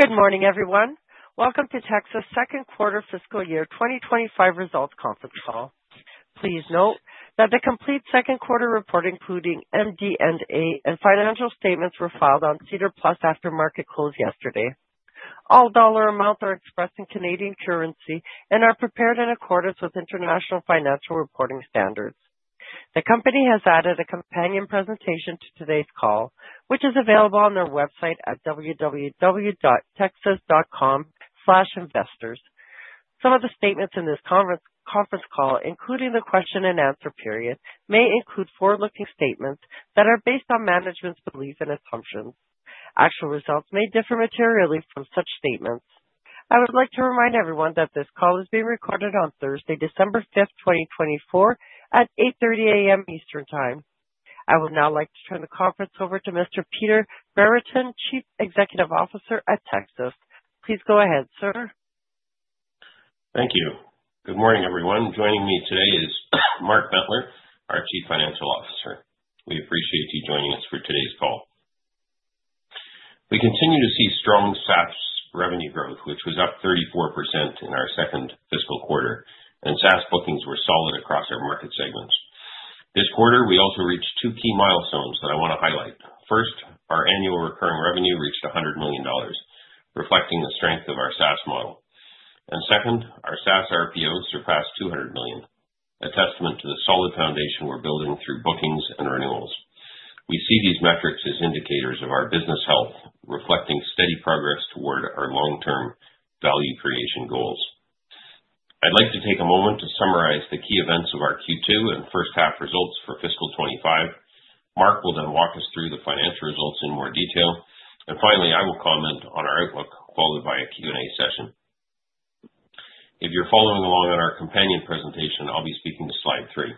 Good morning, everyone. Welcome to Tecsys Q2 Fiscal Year 2025 Results Conference Call. Please note that the complete Q2 report, including MD&A and financial statements, was filed on SEDAR+ after market close yesterday. All dollar amounts are expressed in Canadian currency and are prepared in accordance with international financial reporting standards. The company has added a companion presentation to today's call, which is available on their website at www.tecsys.com/investors. Some of the statements in this conference call, including the question and answer period, may include forward-looking statements that are based on management's beliefs and assumptions. Actual results may differ materially from such statements. I would like to remind everyone that this call is being recorded on Thursday, December 5th, 2024, at 8:30 A.M. Eastern Time. I would now like to turn the conference over to Mr. Peter Brereton, Chief Executive Officer at Tecsys. Please go ahead, sir. Thank you. Good morning, everyone. Joining me today is Mark Bentler, our Chief Financial Officer. We appreciate you joining us for today's call. We continue to see strong SaaS revenue growth, which was up 34% in our second fiscal quarter, and SaaS bookings were solid across our market segments. This quarter, we also reached two key milestones that I want to highlight. First, our annual recurring revenue reached $100 million, reflecting the strength of our SaaS model. And second, our SaaS RPO surpassed $200 million, a testament to the solid foundation we're building through bookings and renewals. We see these metrics as indicators of our business health, reflecting steady progress toward our long-term value creation goals. I'd like to take a moment to summarize the key events of our Q2 and first-half results for fiscal 2025. Mark will then walk us through the financial results in more detail. Finally, I will comment on our outlook, followed by a Q&A session. If you're following along on our companion presentation, I'll be speaking to slide three.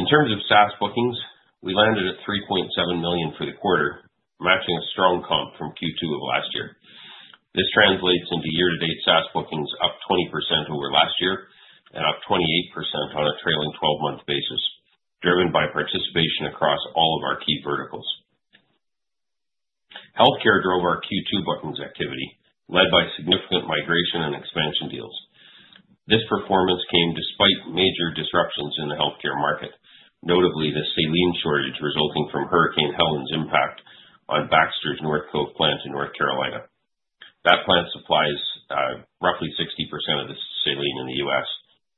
In terms of SaaS bookings, we landed at $3.7 million for the quarter, matching a strong comp from Q2 of last year. This translates into year-to-date SaaS bookings up 20% over last year and up 28% on a trailing 12-month basis, driven by participation across all of our key verticals. Healthcare drove our Q2 bookings activity, led by significant migration and expansion deals. This performance came despite major disruptions in the healthcare market, notably the saline shortage resulting from Hurricane Helene's impact on Baxter's North Carolina plant in North Carolina. That plant supplies roughly 60% of the saline in the U.S.,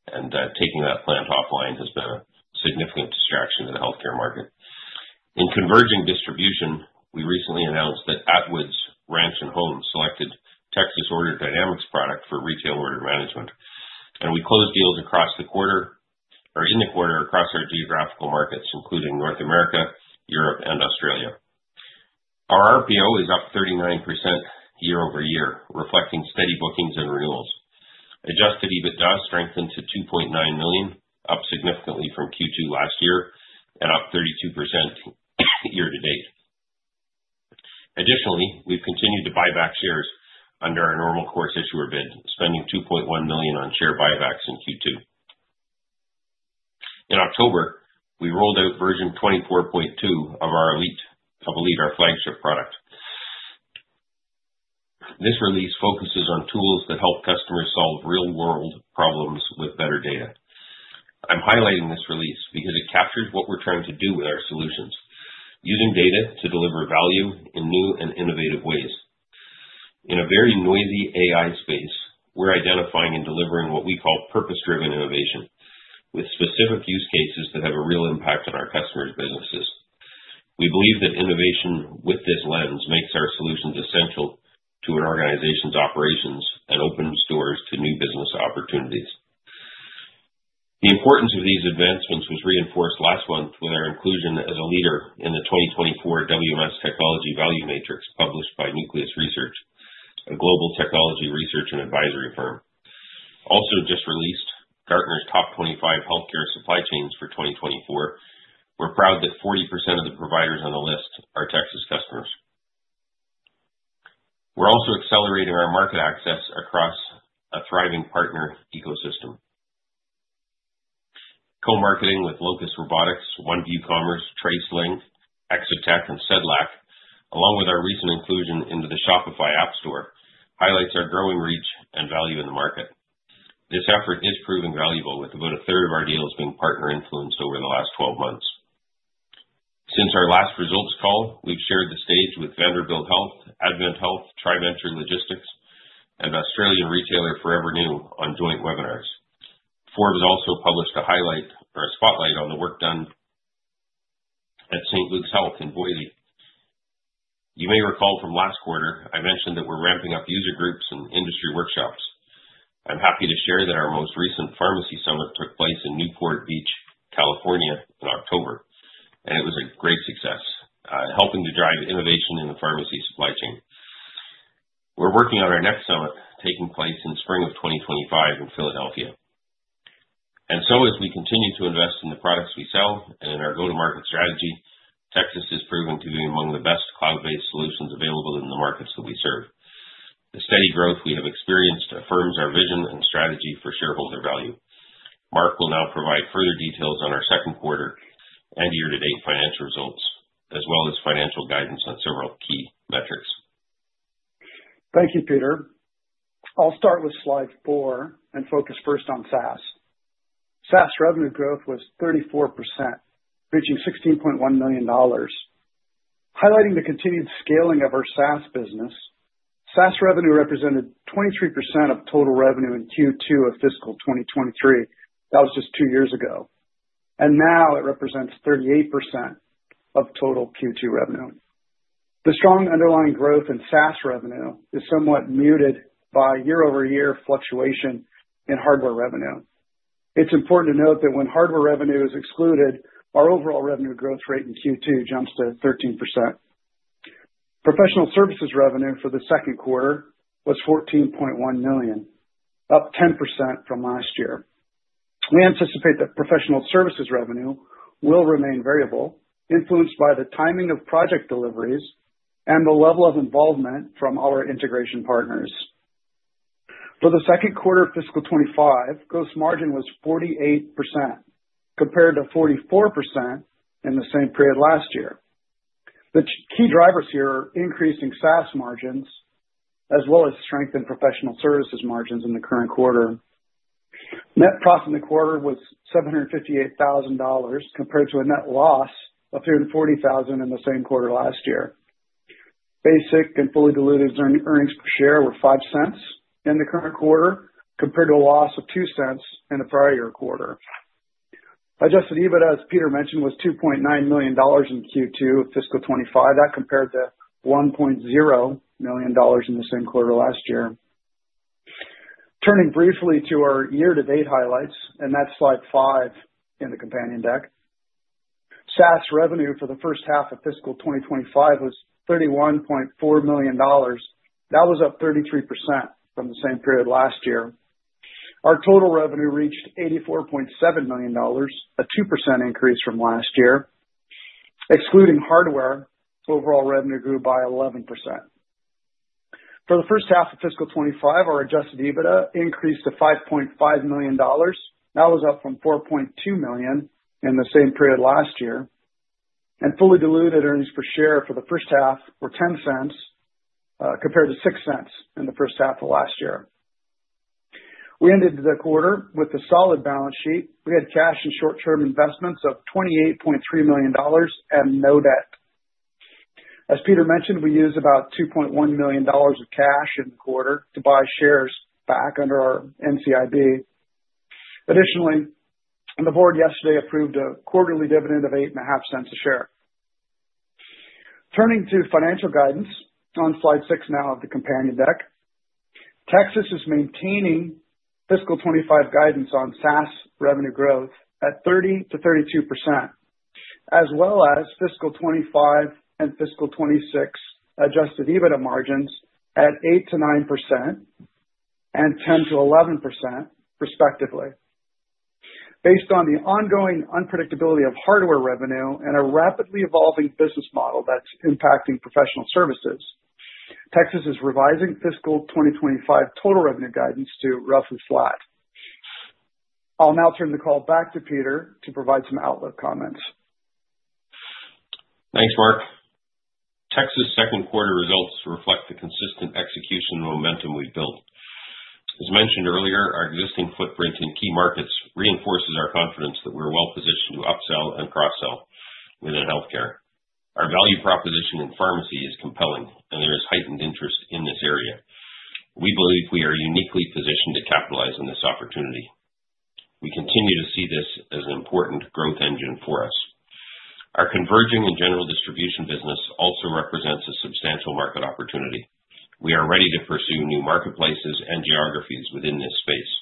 and taking that plant offline has been a significant distraction to the healthcare market. In converging distribution, we recently announced that Atwoods Ranch & Home selected Tecsys OrderDynamics product for retail order management, and we closed deals across the quarter or in the quarter across our geographical markets, including North America, Europe, and Australia. Our RPO is up 39% year over year, reflecting steady bookings and renewals. Adjusted EBITDA strengthened to $2.9 million, up significantly from Q2 last year and up 32% year to date. Additionally, we've continued to buy back shares under our Normal Course Issuer Bid, spending $2.1 million on share buybacks in Q2. In October, we rolled out version 24.2 of our Elite, our flagship product. This release focuses on tools that help customers solve real-world problems with better data. I'm highlighting this release because it captures what we're trying to do with our solutions, using data to deliver value in new and innovative ways. In a very noisy AI space, we're identifying and delivering what we call purpose-driven innovation, with specific use cases that have a real impact on our customers' businesses. We believe that innovation with this lens makes our solutions essential to an organization's operations and opens doors to new business opportunities. The importance of these advancements was reinforced last month with our inclusion as a leader in the 2024 WMS Technology Value Matrix published by Nucleus Research, a global technology research and advisory firm. Also just released, Gartner's top 25 healthcare supply chains for 2024. We're proud that 40% of the providers on the list are Tecsys customers. We're also accelerating our market access across a thriving partner ecosystem. Co-marketing with Locus Robotics, OneView Commerce, TraceLink, Exotec, and Sedlak, along with our recent inclusion into the Shopify App Store, highlights our growing reach and value in the market. This effort is proving valuable, with about a third of our deals being partner-influenced over the last 12 months. Since our last results call, we've shared the stage with Vanderbilt Health, AdventHealth, TriVenture Logistics, and Australian retailer Forever New on joint webinars. Forbes also published a highlight or a spotlight on the work done at St. Luke's Health in Boise. You may recall from last quarter, I mentioned that we're ramping up user groups and industry workshops. I'm happy to share that our most recent pharmacy summit took place in Newport Beach, California, in October, and it was a great success, helping to drive innovation in the pharmacy supply chain. We're working on our next summit, taking place in spring of 2025 in Philadelphia. And so, as we continue to invest in the products we sell and in our go-to-market strategy, Tecsys is proving to be among the best cloud-based solutions available in the markets that we serve. The steady growth we have experienced affirms our vision and strategy for shareholder value. Mark will now provide further details on our Q2 and year-to-date financial results, as well as financial guidance on several key metrics. Thank you, Peter. I'll start with slide four and focus first on SaaS. SaaS revenue growth was 34%, reaching $16.1 million. Highlighting the continued scaling of our SaaS business, SaaS revenue represented 23% of total revenue in Q2 of fiscal 2023. That was just two years ago, and now it represents 38% of total Q2 revenue. The strong underlying growth in SaaS revenue is somewhat muted by year-over-year fluctuation in hardware revenue. It's important to note that when hardware revenue is excluded, our overall revenue growth rate in Q2 jumps to 13%. Professional services revenue for the Q2 was $14.1 million, up 10% from last year. We anticipate that professional services revenue will remain variable, influenced by the timing of project deliveries and the level of involvement from our integration partners. For the Q2 of fiscal 25, gross margin was 48%, compared to 44% in the same period last year. The key drivers here are increasing SaaS margins, as well as strength in professional services margins in the current quarter. Net profit in the quarter was $758,000, compared to a net loss of $340,000 in the same quarter last year. Basic and fully diluted earnings per share were $0.05 in the current quarter, compared to a loss of $0.02 in the prior year quarter. Adjusted EBITDA, as Peter mentioned, was $2.9 million in Q2 of fiscal 25. That compared to $1.0 million in the same quarter last year. Turning briefly to our year-to-date highlights, and that's slide five in the companion deck. SaaS revenue for the first half of fiscal 2025 was $31.4 million. That was up 33% from the same period last year. Our total revenue reached 84.7 million dollars, a 2% increase from last year. Excluding hardware, overall revenue grew by 11%. For the first half of fiscal 2025, our adjusted EBITDA increased to 5.5 million dollars. That was up from 4.2 million in the same period last year, and fully diluted earnings per share for the first half were 0.10, compared to 0.06 in the first half of last year. We ended the quarter with a solid balance sheet. We had cash and short-term investments of 28.3 million dollars and no debt. As Peter mentioned, we used about 2.1 million dollars of cash in the quarter to buy shares back under our NCIB. Additionally, the board yesterday approved a quarterly dividend of 0.085 a share. Turning to financial guidance on slide six now of the companion deck, Tecsys is maintaining fiscal 2025 guidance on SaaS revenue growth at 30%-32%, as well as fiscal 2025 and fiscal 2026 Adjusted EBITDA margins at 8%-9% and 10%-11%, respectively. Based on the ongoing unpredictability of hardware revenue and a rapidly evolving business model that's impacting professional services, Tecsys is revising fiscal 2025 total revenue guidance to roughly flat. I'll now turn the call back to Peter to provide some outlook comments. Thanks, Mark. Tecsys' Q2 results reflect the consistent execution momentum we've built. As mentioned earlier, our existing footprint in key markets reinforces our confidence that we're well-positioned to upsell and cross-sell within healthcare. Our value proposition in pharmacy is compelling, and there is heightened interest in this area. We believe we are uniquely positioned to capitalize on this opportunity. We continue to see this as an important growth engine for us. Our converging and general distribution business also represents a substantial market opportunity. We are ready to pursue new marketplaces and geographies within this space.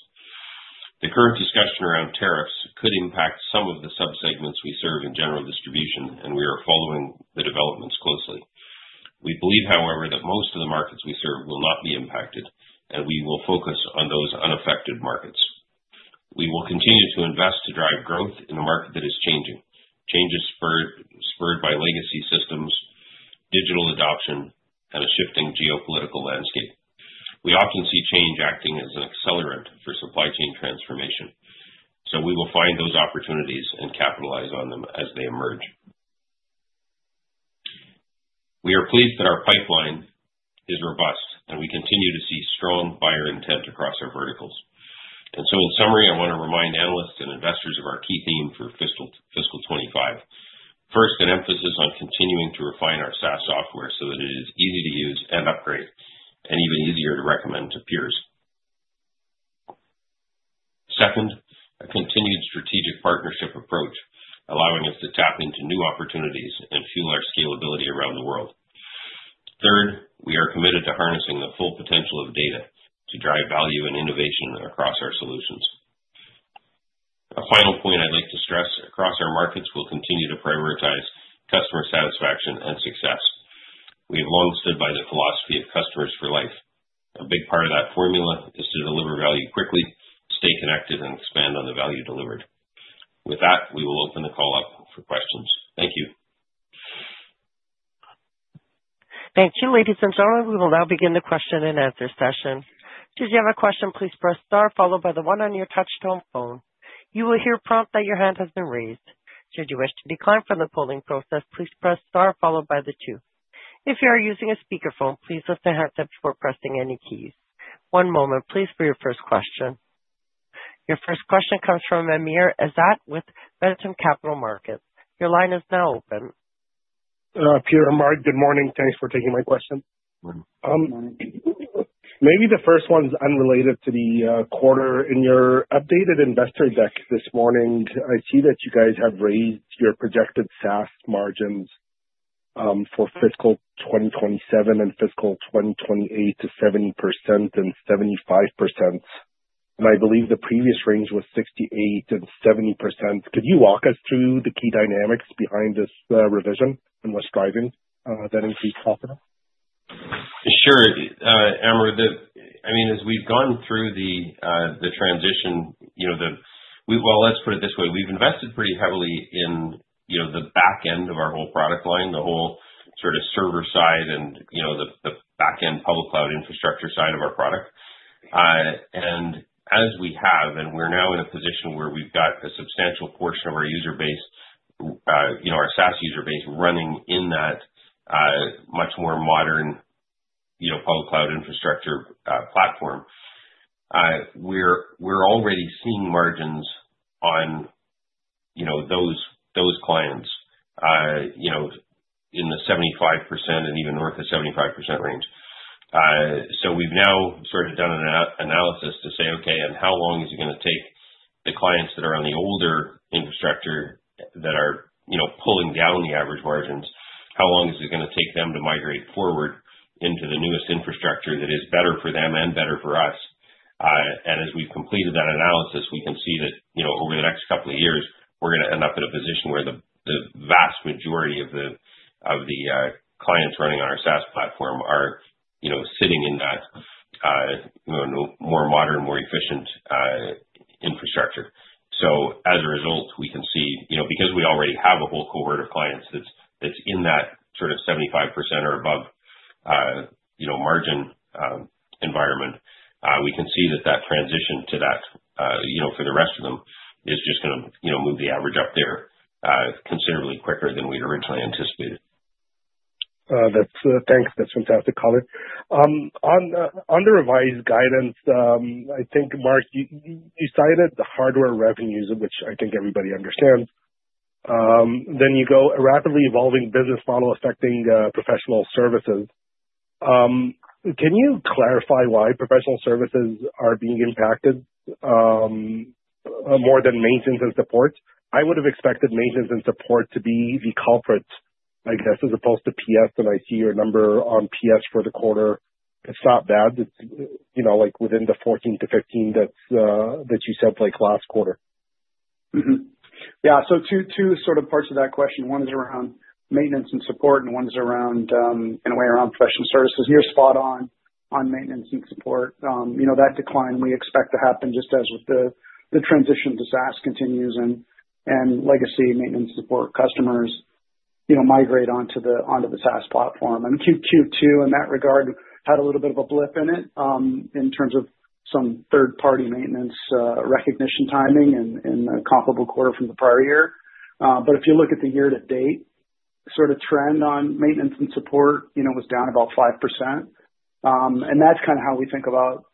The current discussion around tariffs could impact some of the subsegments we serve in general distribution, and we are following the developments closely. We believe, however, that most of the markets we serve will not be impacted, and we will focus on those unaffected markets. We will continue to invest to drive growth in a market that is changing. Changes spurred by legacy systems, digital adoption, and a shifting geopolitical landscape. We often see change acting as an accelerant for supply chain transformation, so we will find those opportunities and capitalize on them as they emerge. We are pleased that our pipeline is robust, and we continue to see strong buyer intent across our verticals, and so, in summary, I want to remind analysts and investors of our key theme for fiscal 2025. First, an emphasis on continuing to refine our SaaS software so that it is easy to use and upgrade, and even easier to recommend to peers. Second, a continued strategic partnership approach, allowing us to tap into new opportunities and fuel our scalability around the world. Third, we are committed to harnessing the full potential of data to drive value and innovation across our solutions. A final point I'd like to stress: across our markets, we'll continue to prioritize customer satisfaction and success. We have long stood by the philosophy of Customers for Life. A big part of that formula is to deliver value quickly, stay connected, and expand on the value delivered. With that, we will open the call up for questions. Thank you. Thank you. Ladies and gentlemen, we will now begin the question-and-answer session. Should you have a question, please press star, followed by the one on your touch-tone phone. You will hear a prompt that your hand has been raised. Should you wish to decline from the polling process, please press star, followed by the two. If you are using a speakerphone, please lift the headset before pressing any keys. One moment, please, for your first question. Your first question comes from Amr Ezzat with Ventum Financial Corp. Your line is now open. Peter, Mark, good morning. Thanks for taking my question. Good morning. Maybe the first one's unrelated to the quarter. In your updated investor deck this morning, I see that you guys have raised your projected SaaS margins for fiscal 2027 and fiscal 2028 to 70% and 75%. And I believe the previous range was 68% and 70%. Could you walk us through the key dynamics behind this revision and what's driving that increased profit? Sure, Amr. As we've gone through the transition, well, let's put it this way. We've invested pretty heavily in the back end of our whole product line, the whole sort of server side and the back end public cloud infrastructure side of our product. And as we have, and we're now in a position where we've got a substantial portion of our user base, our SaaS user base, running in that much more modern public cloud infrastructure platform, we're already seeing margins on those clients in the 75% and even north of 75% range. So we've now sort of done an analysis to say, "Okay, and how long is it going to take the clients that are on the older infrastructure that are pulling down the average margins? How long is it going to take them to migrate forward into the newest infrastructure that is better for them and better for us?" And as we've completed that analysis, we can see that over the next couple of years, we're going to end up in a position where the vast majority of the clients running on our SaaS platform are sitting in that more modern, more efficient infrastructure. So as a result, we can see, because we already have a whole cohort of clients that's in that sort of 75% or above margin environment, we can see that that transition to that for the rest of them is just going to move the average up there considerably quicker than we originally anticipated. Thanks. That's fantastic, color. On the revised guidance, I think, Mark, you cited the hardware revenues, which I think everybody understands. Then you go to a rapidly evolving business model affecting professional services. Can you clarify why professional services are being impacted more than maintenance and support? I would have expected maintenance and support to be the culprit, I guess, as opposed to PS. And I see your number on PS for the quarter. It's not bad. It's within the 14-15 that you said last quarter. Yeah. So two sort of parts of that question. One is around maintenance and support, and one is in a way around professional services. You're spot on on maintenance and support. That decline we expect to happen just as with the transition to SaaS continues and legacy maintenance support customers migrate onto the SaaS platform, and Q2 in that regard had a little bit of a blip in it in terms of some third-party maintenance recognition timing in the comparable quarter from the prior year, but if you look at the year-to-date sort of trend on maintenance and support, it was down about 5%, and that's kind of how we think about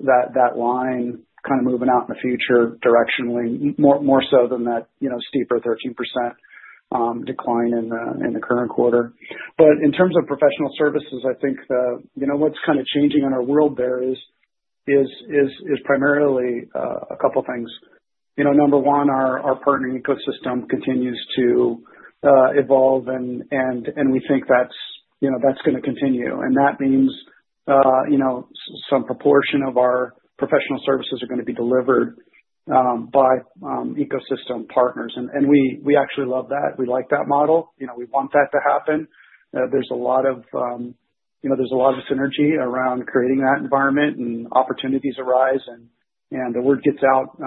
that line kind of moving out in the future directionally, more so than that steeper 13% decline in the current quarter. But in terms of professional services, I think what's kind of changing in our world there is primarily a couple of things. Number one, our partnering ecosystem continues to evolve, and we think that's going to continue. And that means some proportion of our professional services are going to be delivered by ecosystem partners. And we actually love that. We like that model. We want that to happen. There's a lot of synergy around creating that environment, and opportunities arise, and the word gets out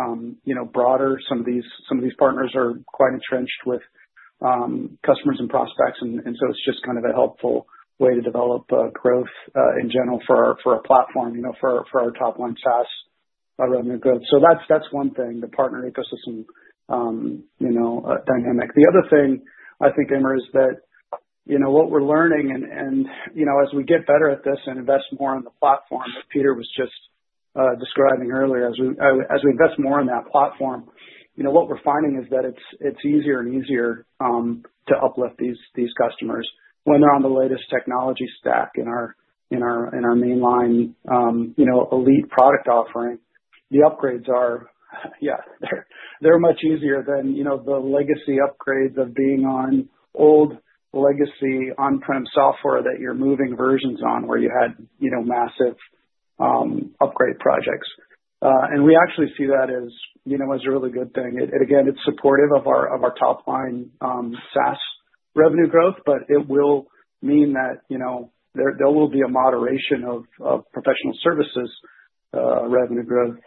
broader. Some of these partners are quite entrenched with customers and prospects, and so it's just kind of a helpful way to develop growth in general for our platform, for our top-line SaaS revenue growth. So that's one thing, the partner ecosystem dynamic. The other thing I think, Amr, is that what we're learning, and as we get better at this and invest more on the platform that Peter was just describing earlier, as we invest more in that platform, what we're finding is that it's easier and easier to uplift these customers when they're on the latest technology stack in our mainline Elite product offering. The upgrades are, yeah, they're much easier than the legacy upgrades of being on old legacy on-prem software that you're moving versions on where you had massive upgrade projects. And we actually see that as a really good thing. Again, it's supportive of our top-line SaaS revenue growth, but it will mean that there will be a moderation of professional services revenue growth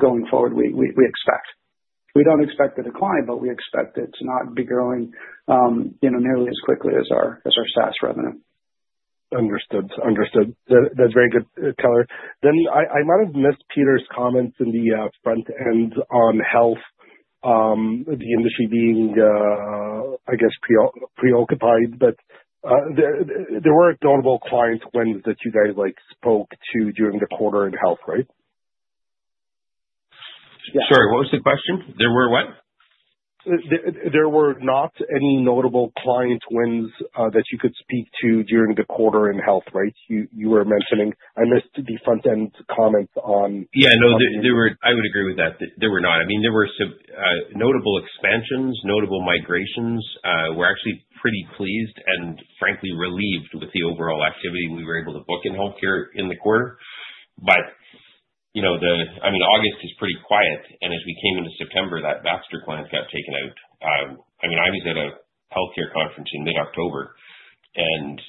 going forward, we expect. We don't expect a decline, but we expect it to not be growing nearly as quickly as our SaaS revenue. Understood. Understood. That's very good, color. Then I might have missed Peter's comments in the front end on health, the industry being, I guess, preoccupied, but there were notable client wins that you guys spoke to during the quarter in health, right? Sorry, what was the question? There were what? There were not any notable client wins that you could speak to during the quarter in health, right? You were mentioning I missed the front-end comments on. Yeah, no, I would agree with that. There were not. There were notable expansions, notable migrations. We're actually pretty pleased and, frankly, relieved with the overall activity we were able to book in healthcare in the quarter. August is pretty quiet. And as we came into September, that Baxter client got taken out. I was at a healthcare conference in mid-October, and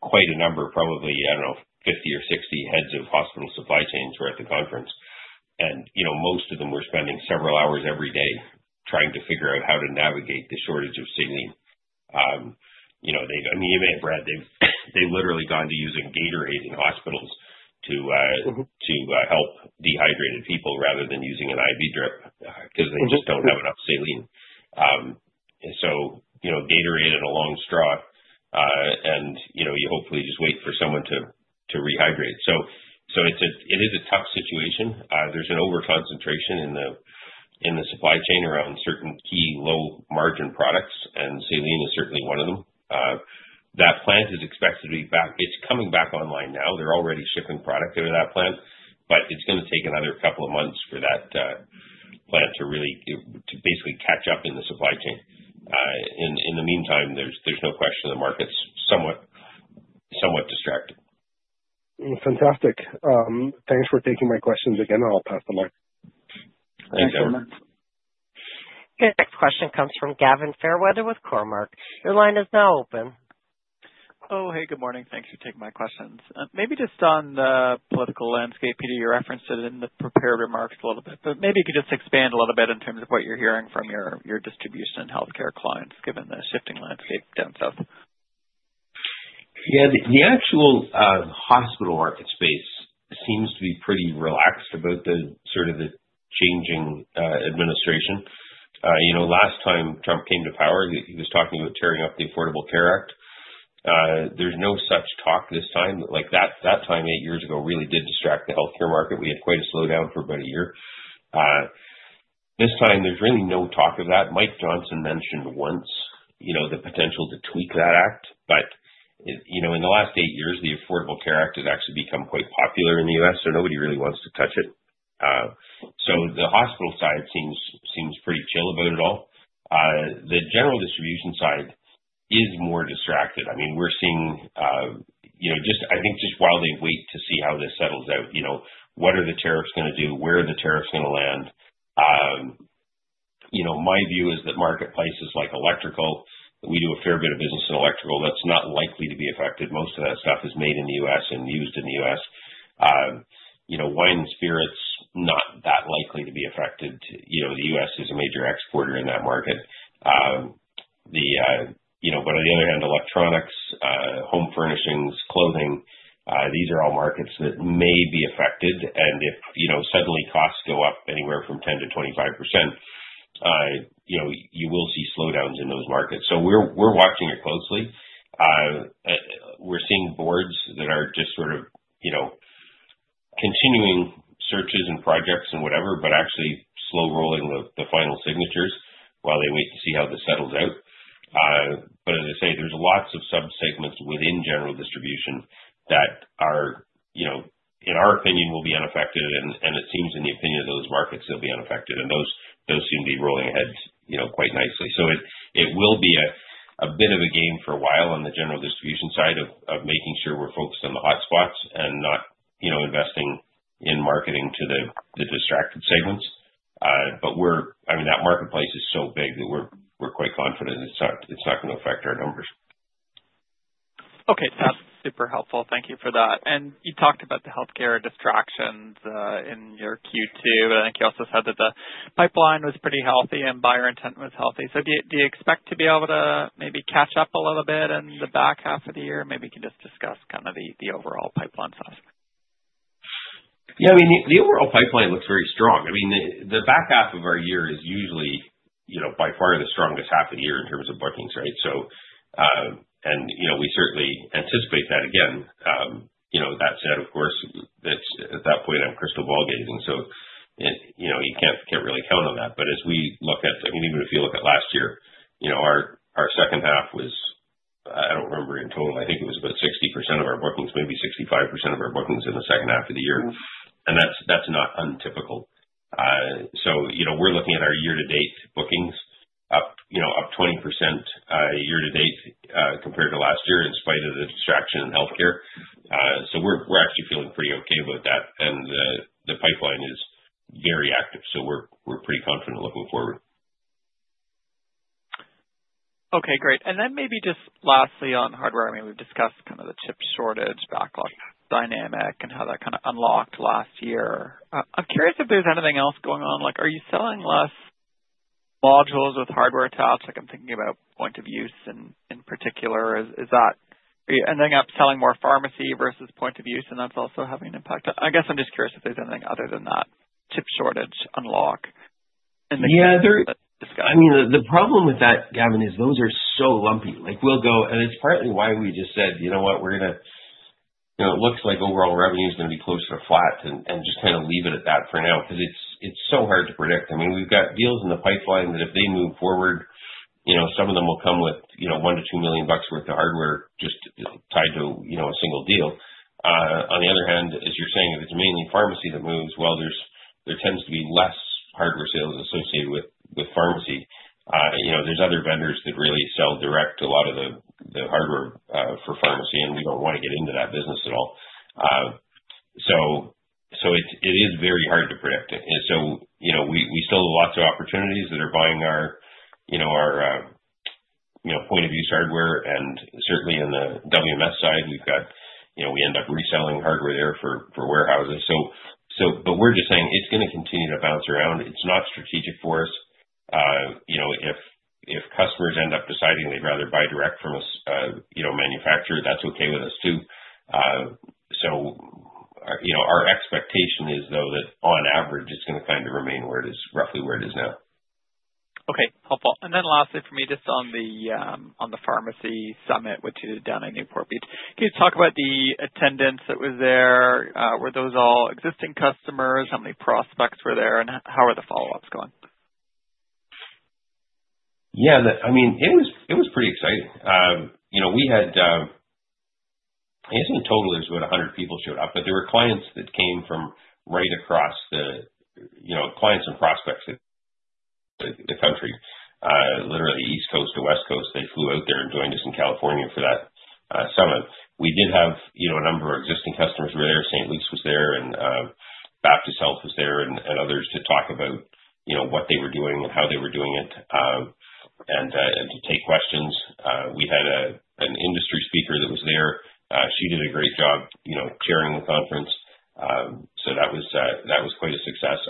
quite a number, probably, I don't know, 50 or 60 heads of hospital supply chains were at the conference. And most of them were spending several hours every day trying to figure out how to navigate the shortage of saline. You may have read they've literally gone to using Gatorade in hospitals to help dehydrated people rather than using an IV drip because they just don't have enough saline. So Gatorade and a long straw, and you hopefully just wait for someone to rehydrate. So it is a tough situation. There's an overconcentration in the supply chain around certain key low-margin products, and saline is certainly one of them. That plant is expected to be back. It's coming back online now. They're already shipping product to that plant, but it's going to take another couple of months for that plant to really basically catch up in the supply chain. In the meantime, there's no question the market's somewhat distracted. Fantastic. Thanks for taking my questions again, and I'll pass the mic. Thanks, Amr. Thanks, Amr. Your next question comes from Gavin Fairweather with Cormark. Your line is now open. Oh, hey, good morning. Thanks for taking my questions. Maybe just on the political landscape, Peter, you referenced it in the prepared remarks a little bit, but maybe you could just expand a little bit in terms of what you're hearing from your distribution and healthcare clients given the shifting landscape down south. Yeah, the actual hospital market space seems to be pretty relaxed about sort of the changing administration. Last time Trump came to power, he was talking about tearing up the Affordable Care Act. There's no such talk this time. That time, eight years ago, really did distract the healthcare market. We had quite a slowdown for about a year. This time, there's really no talk of that. Mike Johnson mentioned once the potential to tweak that act, but in the last eight years, the Affordable Care Act has actually become quite popular in the U.S., so nobody really wants to touch it. So the hospital side seems pretty chill about it all. The general distribution side is more distracted. We're seeing just while they wait to see how this settles out, what are the tariffs going to do? Where are the tariffs going to land? My view is that marketplaces like electrical, we do a fair bit of business in electrical. That's not likely to be affected. Most of that stuff is made in the U.S. and used in the U.S. Wine and spirits, not that likely to be affected. The U.S. is a major exporter in that market, but on the other hand, electronics, home furnishings, clothing, these are all markets that may be affected, and if suddenly costs go up anywhere from 10%-25%, you will see slowdowns in those markets, so we're watching it closely. We're seeing boards that are just sort of continuing searches and projects and whatever, but actually slow-rolling the final signatures while they wait to see how this settles out. But as I say, there's lots of subsegments within general distribution that are, in our opinion, will be unaffected, and it seems in the opinion of those markets they'll be unaffected, and those seem to be rolling ahead quite nicely, so it will be a bit of a game for a while on the general distribution side of making sure we're focused on the hotspots and not investing in marketing to the distracted segments, but that marketplace is so big that we're quite confident it's not going to affect our numbers. Okay. That's super helpful. Thank you for that. And you talked about the healthcare distractions in your Q2, but I think you also said that the pipeline was pretty healthy and buyer intent was healthy. So do you expect to be able to maybe catch up a little bit in the back half of the year? Maybe you can just discuss kind of the overall pipeline stuff. Yeah. The overall pipeline looks very strong. The back half of our year is usually by far the strongest half of the year in terms of bookings, right? And we certainly anticipate that again. That said, of course, at that point, I'm crystal ball gazing, so you can't really count on that. But as we look at, even if you look at last year, our second half was, I don't remember in total, I think it was about 60% of our bookings, maybe 65% of our bookings in the second half of the year. And that's not untypical. So we're looking at our year-to-date bookings up 20% year-to-date compared to last year in spite of the distraction in healthcare. So we're actually feeling pretty okay about that. And the pipeline is very active, so we're pretty confident looking forward. Okay. Great. And then maybe just lastly on hardware, we've discussed kind of the chip shortage backlog dynamic and how that kind of unlocked last year. I'm curious if there's anything else going on. Are you selling less modules with hardware attached? I'm thinking about point-of-use in particular. Is that ending up selling more pharmacy versus point-of-use and that's also having an impact? I guess I'm just curious if there's anything other than that chip shortage unlock in the discussion. Yeah. The problem with that, Gavin, is those are so lumpy, and it's partly why we just said, "You know what? We're going to look like overall revenue is going to be close to flat and just kind of leave it at that for now." Because it's so hard to predict. We've got deals in the pipeline that if they move forward, some of them will come with $1-$2 million worth of hardware just tied to a single deal. On the other hand, as you're saying, if it's mainly pharmacy that moves, well, there tends to be less hardware sales associated with pharmacy. There's other vendors that really sell direct to a lot of the hardware for pharmacy, and we don't want to get into that business at all. So it is very hard to predict. And so we still have lots of opportunities that are buying our point-of-use hardware. And certainly on the WMS side, we end up reselling hardware there for warehouses. But we're just saying it's going to continue to bounce around. It's not strategic for us. If customers end up deciding they'd rather buy direct from a manufacturer, that's okay with us too. So our expectation is, though, that on average, it's going to kind of remain roughly where it is now. Okay. Helpful. And then lastly for me, just on the pharmacy summit, which is down in Newport Beach, can you talk about the attendance that was there? Were those all existing customers? How many prospects were there? And how are the follow-ups going? Yeah. It was pretty exciting. We had, I guess in total, there's about 100 people showed up, but there were clients that came from right across the clients and prospects across the country, literally East Coast to West Coast. They flew out there and joined us in California for that summit. We did have a number of existing customers who were there. St. Luke's was there, and Baptist Health was there, and others to talk about what they were doing and how they were doing it and to take questions. We had an industry speaker that was there. She did a great job chairing the conference, so that was quite a success.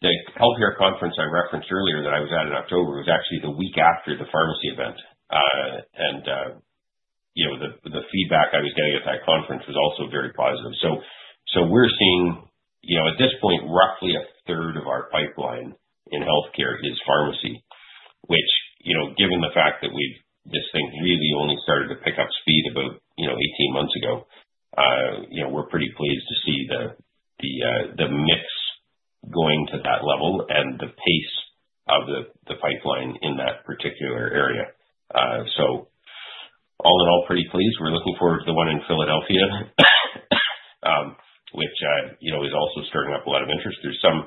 The healthcare conference I referenced earlier that I was at in October was actually the week after the pharmacy event. And the feedback I was getting at that conference was also very positive. So we're seeing, at this point, roughly a third of our pipeline in healthcare is pharmacy, which given the fact that this thing really only started to pick up speed about 18 months ago, we're pretty pleased to see the mix going to that level and the pace of the pipeline in that particular area. So all in all, pretty pleased. We're looking forward to the one in Philadelphia, which is also stirring up a lot of interest. Some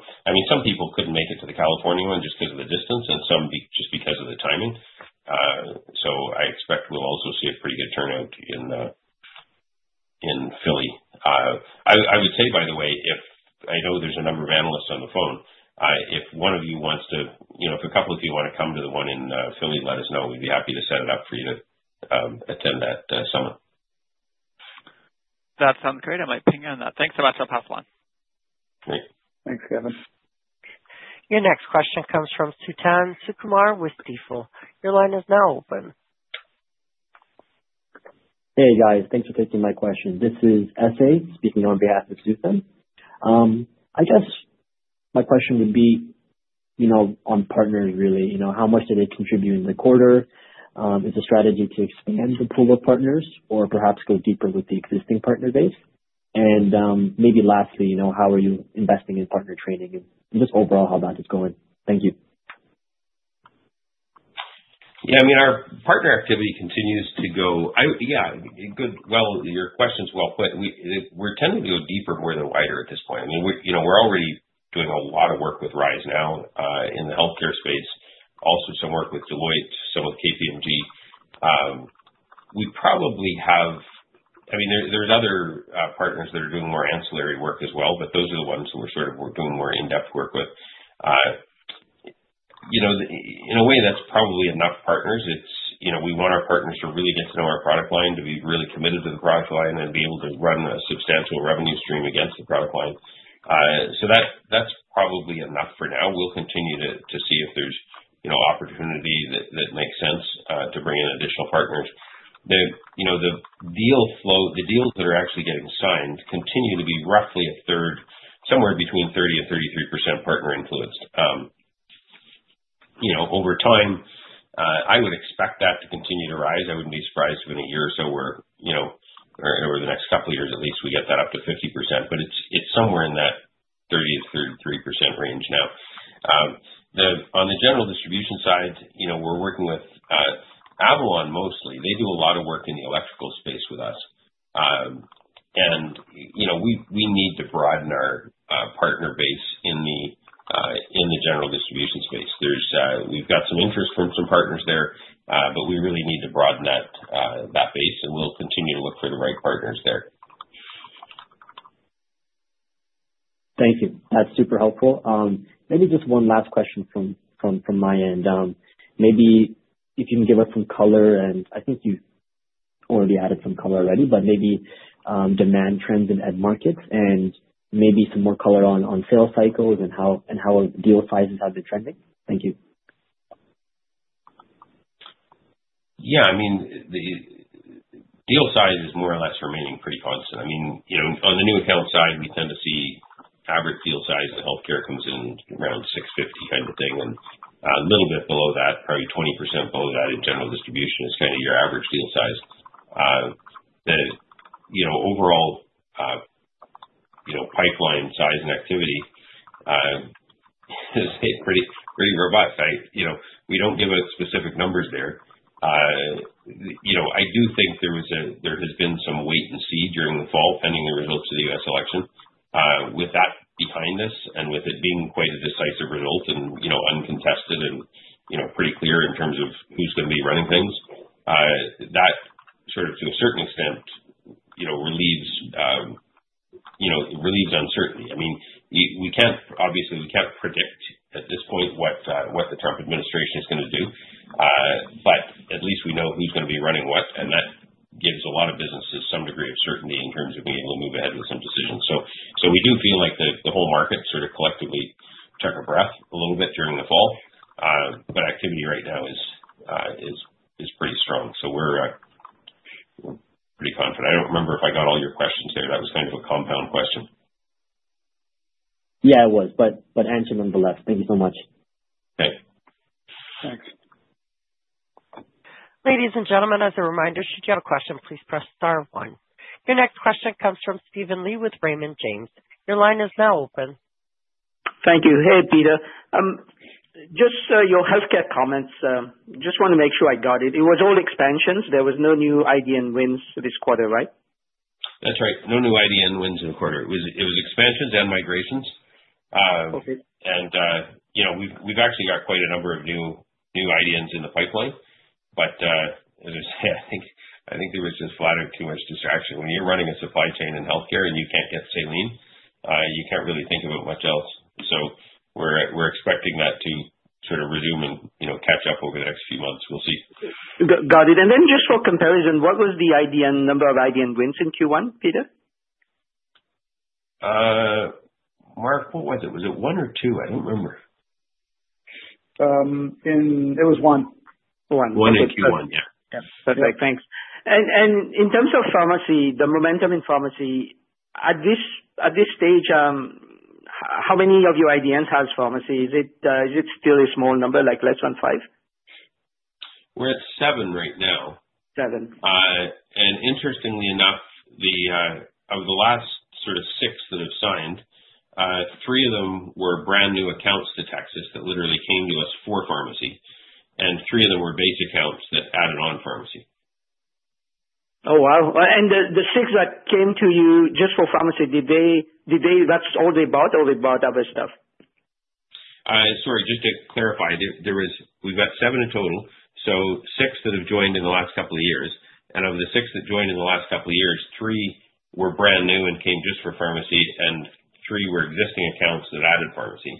people couldn't make it to the California one just because of the distance and some just because of the timing. So I expect we'll also see a pretty good turnout in Philly. I would say, by the way, if I know there's a number of analysts on the phone, if one of you wants to, if a couple of you want to come to the one in Philly, let us know. We'd be happy to set it up for you to attend that summit. That sounds great. I'm pinging on that. Thanks so much. I'll pass along. Great. Thanks, Gavin. Your next question comes from Suthan Sukumar with Stifel. Your line is now open. Hey, guys. Thanks for taking my question. This is Suthan speaking on behalf of Stifel. I guess my question would be on partners, really. How much did they contribute in the quarter? Is the strategy to expand the pool of partners or perhaps go deeper with the existing partner base? And maybe lastly, how are you investing in partner training and just overall how that is going? Thank you. Yeah. Our partner activity continues to go. Yeah. Well, your question's well put. We're tending to go deeper, more than wider at this point. We're already doing a lot of work with RiseNow in the healthcare space, also some work with Deloitte, some with KPMG. We probably have. There's other partners that are doing more ancillary work as well, but those are the ones who we're sort of doing more in-depth work with. In a way, that's probably enough partners. We want our partners to really get to know our product line, to be really committed to the product line, and be able to run a substantial revenue stream against the product line. So that's probably enough for now. We'll continue to see if there's opportunity that makes sense to bring in additional partners. The deals that are actually getting signed continue to be roughly somewhere between 30%-33% partner-influenced. Over time, I would expect that to continue to rise. I wouldn't be surprised within a year or so or the next couple of years, at least, we get that up to 50%. But it's somewhere in that 30%-33% range now. On the general distribution side, we're working with Avalon mostly. They do a lot of work in the electrical space with us, and we need to broaden our partner base in the general distribution space. We've got some interest from some partners there, but we really need to broaden that base, and we'll continue to look for the right partners there. Thank you. That's super helpful. Maybe just one last question from my end. Maybe if you can give us some color, and I think you've already added some color already, but maybe demand trends in end markets and maybe some more color on sales cycles and how deal sizes have been trending. Thank you. Yeah. Deal size is more or less remaining pretty constant. On the new account side, we tend to see average deal size in healthcare comes in around 650 kind of thing, and a little bit below that, probably 20% below that in general distribution is kind of your average deal size. The overall pipeline size and activity is pretty robust. We don't give out specific numbers there. I do think there has been some wait and see during the fall, pending the results of the U.S. election. With that behind us and with it being quite a decisive result and uncontested and pretty clear in terms of who's going to be running things, that sort of, to a certain extent, relieves uncertainty. I mean, obviously, we can't predict at this point what the Trump administration is going to do, but at least we know who's going to be running what. And that gives a lot of businesses some degree of certainty in terms of being able to move ahead with some decisions. So we do feel like the whole market sort of collectively took a breath a little bit during the fall, but activity right now is pretty strong. So we're pretty confident. I don't remember if I got all your questions there. That was kind of a compound question. Yeah, it was. But answer them the left. Thank you so much. Okay. Thanks. Ladies and gentlemen, as a reminder, should you have a question, please press star one. Your next question comes from Steven Li with Raymond James. Your line is now open. Thank you. Hey, Peter. Just your healthcare comments. Just want to make sure I got it. It was all expansions. There was no new IDN wins this quarter, right? That's right. No new IDN wins in the quarter. It was expansions and migrations, and we've actually got quite a number of new IDNs in the pipeline, but as I say, I think there was just rather too much distraction. When you're running a supply chain in healthcare and you can't get saline, you can't really think about much else, so we're expecting that to sort of resume and catch up over the next few months. We'll see. Got it. And then just for comparison, what was the number of IDN wins in Q1, Peter? Mark, what was it? Was it one or two? I don't remember. It was one. One in Q1, yeah. Perfect. Thanks. And in terms of pharmacy, the momentum in pharmacy, at this stage, how many of your IDNs has pharmacy? Is it still a small number, like less than five? We're at seven right now. Seven. And interestingly enough, of the last sort of six that have signed, three of them were brand new accounts to Tecsys that literally came to us for pharmacy. And three of them were base accounts that added on pharmacy. Oh, wow, and the six that came to you just for pharmacy, did they? That's all they bought or they bought other stuff? Sorry, just to clarify, we've got seven in total, so six that have joined in the last couple of years, and of the six that joined in the last couple of years, three were brand new and came just for pharmacy, and three were existing accounts that added pharmacy.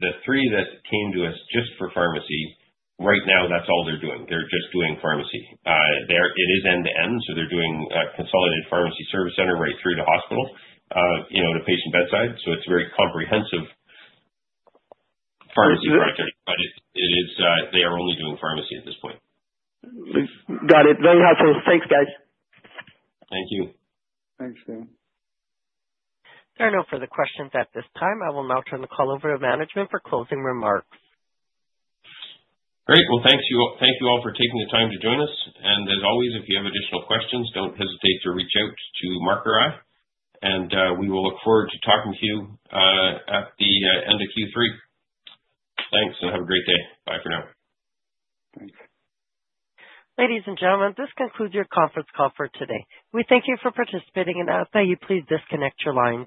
The three that came to us just for pharmacy, right now, that's all they're doing. They're just doing pharmacy. It is end-to-end, so they're doing consolidated pharmacy service center right through to hospital to patient bedside, so it's a very comprehensive pharmacy project, but they are only doing pharmacy at this point. Got it. Very helpful. Thanks, guys. Thank you. Thanks, guys. There are no further questions at this time. I will now turn the call over to management for closing remarks. Great. Well, thank you all for taking the time to join us, and as always, if you have additional questions, don't hesitate to reach out to Mark or I, and we will look forward to talking to you at the end of Q3. Thanks. Have a great day. Bye for now. Ladies and gentlemen, this concludes your conference call for today. We thank you for participating, and I'll tell you, please disconnect your line.